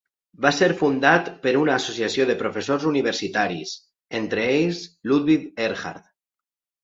Va ser fundat per una associació de professors universitaris, entre ells Ludwig Erhard.